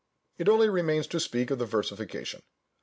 It only remains to speak of the versification.